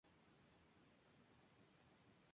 La lámina anterior es más grande.